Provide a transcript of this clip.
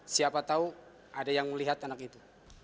siapa tahu ada yang melihat anak itu